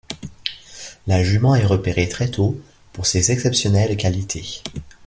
La jument est repérée très tôt pour ses exceptionnelles qualités.